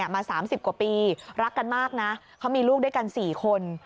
มา๓๐กว่าปีรักกันมากนะเขามีลูกด้วยกัน๔คน